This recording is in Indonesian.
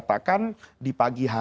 atau katakan di siang hari bahwa